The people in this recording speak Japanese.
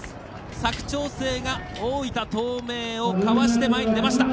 佐久長聖が大分東明をかわして前に出ました。